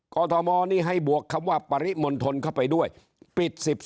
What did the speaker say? กรทมนี่ให้บวกคำว่าปริมณฑลเข้าไปด้วยปิด๑๒